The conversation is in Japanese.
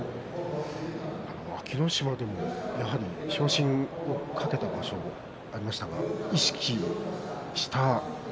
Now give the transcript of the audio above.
安芸乃島も昇進を懸けた場所、ありましたが意識しましたか？